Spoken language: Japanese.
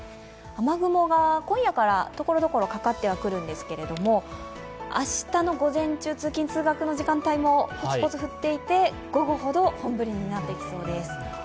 雨雲が今夜からところどころかかってはくるんですけど、明日の午前中、通勤通学の時間帯もポツポツ降っていて午後ほど本降りになってきそうです。